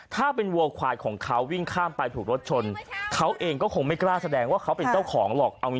ถ้าเป็นวัวควายของเขาวิ่งข้ามไปถูกรถชนเขาเองก็คงไม่กล้าแสดงว่าเขาเป็นเจ้าของหรอก